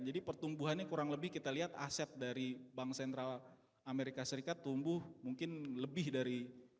jadi pertumbuhannya kurang lebih kita lihat aset dari bank sentral amerika serikat tumbuh mungkin lebih dari tiga puluh kita lihat di sini